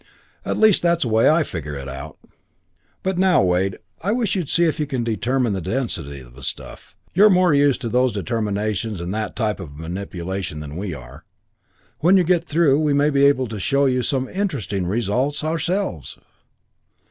At least, that's the way I figure it out. "But now, Wade, I wish you'd see if you can determine the density of the stuff. You're more used to those determinations and that type of manipulation than we are. When you get through, we may be able to show you some interesting results ourselves!"